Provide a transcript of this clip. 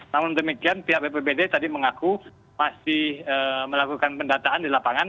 namun demikian pihak bpbd tadi mengaku masih melakukan pendataan di lapangan